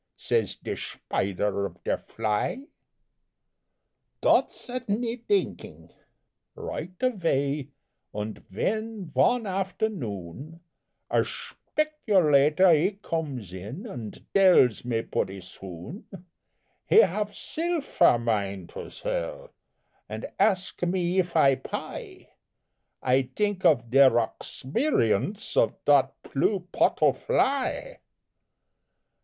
Says der Shpider off der fly." Dot set me dinking, righdt avay, Und vhen, von afternoon, A shbeculator he comes in Und dells me, pooty soon, He haf silfer mine to sell, Und ask me eef I puy, I dink off der oxberience Off dot plue pottle fly.